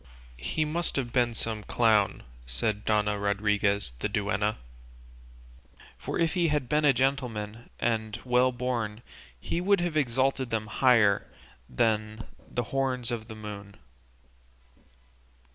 "He must have been some clown," said Dona Rodriguez the duenna; "for if he had been a gentleman and well born he would have exalted them higher than the horns of the moon."